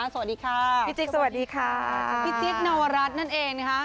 สวัสดีค่ะพี่จิ๊กสวัสดีค่ะพี่จิ๊กนวรัฐนั่นเองนะคะ